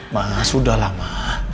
ma sudah lah ma